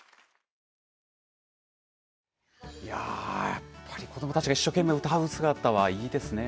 やっぱり子どもたちが一生懸命、歌う姿はいいですね。